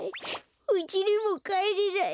うちにもかえれない。